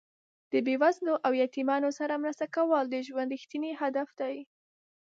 د بې وزلو او یتیمانو سره مرسته کول د ژوند رښتیني هدف دی.